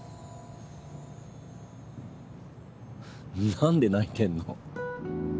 何で泣いてんの？